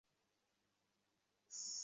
হ্যাঁ - লোকমুখে নাম আছে।